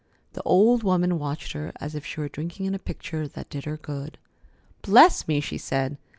The old woman watched her as if she were drinking in a picture that did her good. "Bless me!" she said.